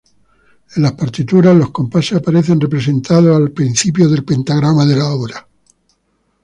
En las partituras los compases aparecen representados al principio del pentagrama de la obra.